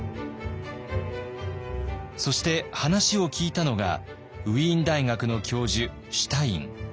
そして話を聞いたのがウィーン大学の教授シュタイン。